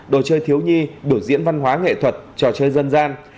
đồ chơi thiếu nhi biểu diễn văn hóa nghệ thuật trò chơi dân gian